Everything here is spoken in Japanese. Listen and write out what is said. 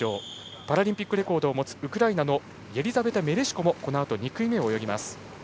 パラリンピックレコードを持つウクライナのイェリザベタ・メレシコも２組目を泳ぎます。